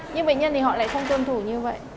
nhưng bệnh nhân thì họ lại không tuân thủ như vậy